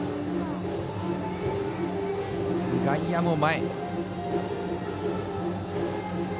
外野も前。